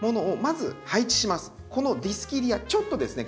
このディスキディアちょっとですね